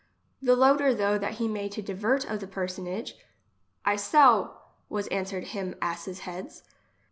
The loader though that he may to divert of the personage :—" I sell, was answered him asse's heads.'